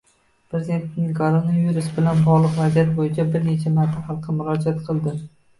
Prezidentimiz koronavirus bilan bogʻliq vaziyat boʻyicha bir necha marta xalqqa murojaat qildi.